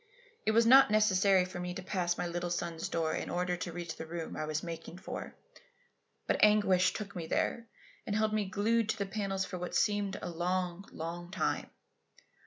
It was not necessary for me to pass my little son's door in order to reach the room I was making for; but anguish took me there and held me glued to the panels for what seemed a long, long time.